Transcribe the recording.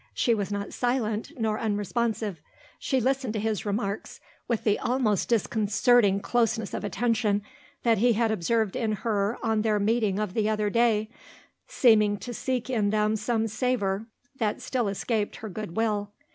She was not silent, nor unresponsive. She listened to his remarks with the almost disconcerting closeness of attention that he had observed in her on their meeting of the other day, seeming to seek in them some savour that still escaped her good will.